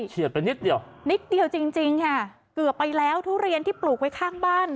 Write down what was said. เฉียดไปนิดเดียวนิดเดียวจริงจริงค่ะเกือบไปแล้วทุเรียนที่ปลูกไว้ข้างบ้าน